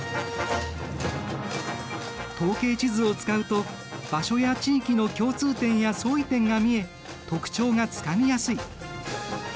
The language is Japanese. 統計地図を使うと場所や地域の共通点や相違点が見え特徴がつかみやすい。